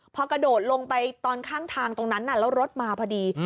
พอกระโดดลงไปตอนข้างทางตรงนั้นแล้วรถมาพอดี